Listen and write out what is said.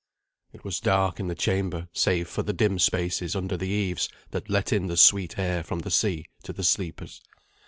It was dark in the chamber, save for the dim spaces under the eaves that let in the sweet air from the sea to the sleepers.